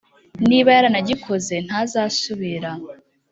niba yaranagikoze, ntazasubira.